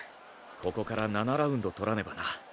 ここから７ラウンド取らねばな。